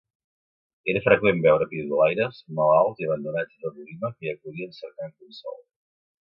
Era freqüent veure pidolaires, malalts i abandonats de tot Lima que hi acudien cercant consol.